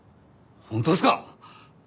本当ですか！